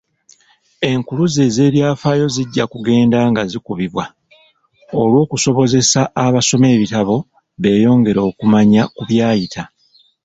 Enkuluze z'Ebyafaayo zijja kugenda nga zikubibwa olw'okusobozesa abasoma ebitabo beeyongere okumanya ku byayita.